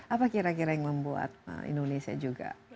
apa kira kira yang membuat indonesia juga